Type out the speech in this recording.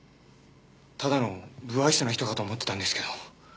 ただの無愛想な人かと思ってたんですけど。